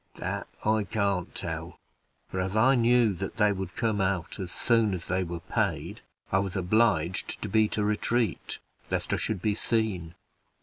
"That I can't tell, for, as I knew that they would come out as soon as they were paid, I was obliged to beat a retreat, lest I should be seen."